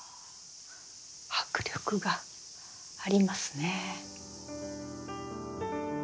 迫力がありますね。